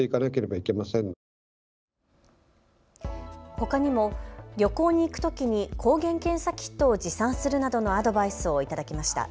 ほかにも旅行に行くときに抗原検査キットを持参するなどのアドバイスを頂きました。